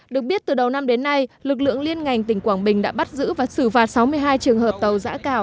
được biết từ đầu năm đến nay lực lượng liên ngành tỉnh quảng bình đã bắt giữ và xử phạt sáu mươi hai trường hợp tàu giã cào